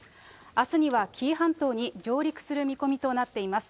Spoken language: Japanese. あすには紀伊半島に上陸する見込みとなっています。